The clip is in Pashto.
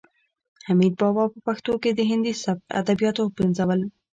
حمید بابا په پښتو کې د هندي سبک ادبیات وپنځول.